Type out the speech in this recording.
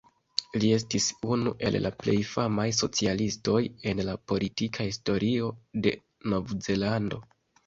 Li estis unu el plej famaj socialistoj en la politika historio de Novzelando.